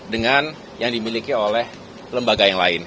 dengan yang dimiliki oleh lembaga yang lain